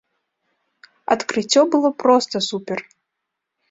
Адкрыццё было проста супер!